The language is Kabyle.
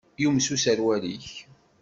Yumes userwal-ik.